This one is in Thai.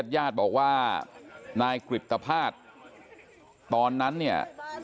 ญาติบอกว่านายกริตภาษณ์ตอนนั้นเนี่ย